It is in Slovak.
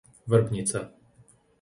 Vrbnica